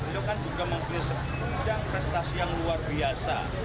dia kan juga memiliki segudang prestasi yang luar biasa